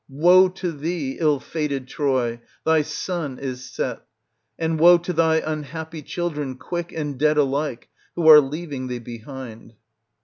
Woe to thee, ill fated Troy, thy sun is set; and woe to thy unhappy children, quick and dead alike, who are leaving thee behind